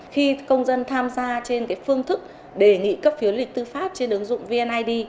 khi công dân tham gia trên phương thức đề nghị cấp phiếu lý tư pháp trên ứng dụng vneid